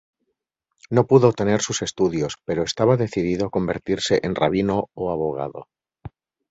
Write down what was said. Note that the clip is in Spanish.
No pudo tener sus estudios, pero estaba decidido a convertirse en rabino o abogado.